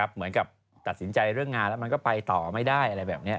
เหมือนกับตัดสินใจเรื่องงานแล้วมันก็ไปต่อไม่ได้อะไรแบบนี้